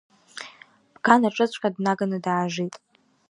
Бганаҿыҵәҟьа днаганы даажит.